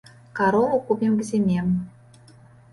Карову купім к зіме.